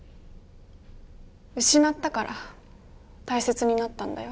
失ったからたいせつになったんだよ。